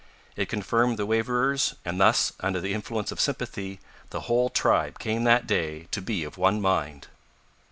It confirmed the waverers, and thus, under the influence of sympathy, the whole tribe came that day to be of one mind!